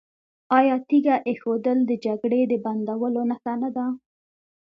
آیا تیږه ایښودل د جګړې د بندولو نښه نه ده؟